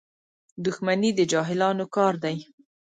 • دښمني د جاهلانو کار دی.